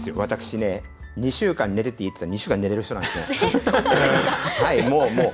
私ね２週間、寝てていいって言われたら、２週間寝れる人なんですね。